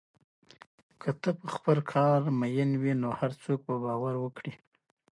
که ته په خپل کار مین وې، هر څوک به باور وکړي.